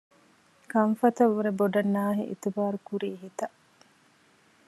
ކަންފަތަށް ވުރެ ބޮޑަށް ނާހި އިތުބާރުކުރީ ހިތަށް